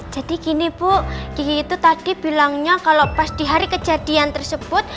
jadi gini bu kiki itu tadi bilangnya kalau pas di hari kejadian tersebut